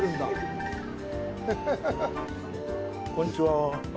こんにちは。